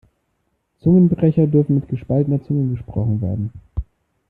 Zungenbrecher dürfen mit gespaltener Zunge gesprochen werden.